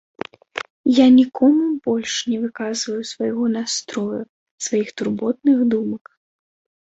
Я нікому больш не выказваю свайго настрою, сваіх турботных думак.